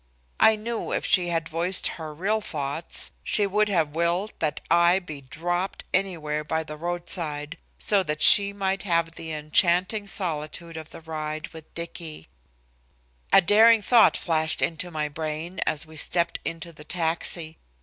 I knew if she had voiced her real thoughts she would have willed that I be dropped anywhere by the roadside, so that she might have the enchanting solitude of the ride with Dicky. A daring thought flashed into my brain as we stepped into the taxi.